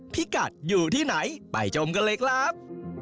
พี่กัดอยู่ที่ไหนไปชมกันเลยครับ